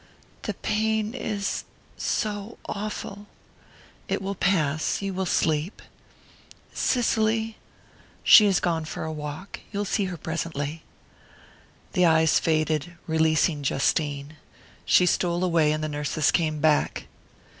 "The pain is...so awful...." "It will pass...you will sleep...." "Cicely " "She has gone for a walk. You'll see her presently." The eyes faded, releasing Justine. She stole away, and the nurses came back.